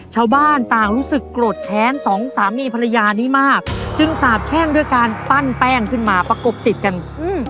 ชาวบ้านต่างรู้สึกโกรธแค้นสองสามีภรรยานี้มากจึงสาบแช่งด้วยการปั้นแป้งขึ้นมาประกบติดกันอืม